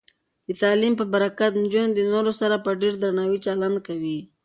د تعلیم په برکت، نجونې د نورو سره په ډیر درناوي چلند کوي.